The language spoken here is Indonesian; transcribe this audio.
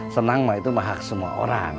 senang mah itu mahak semua orang